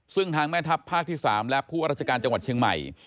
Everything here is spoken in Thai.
ซึ่งทางแม่ทัพภาคที่๓และผู้ราชการจังหวัดเชียงใหม่